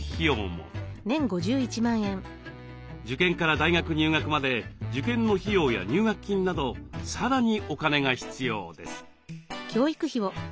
受験から大学入学まで受験の費用や入学金などさらにお金が必要です。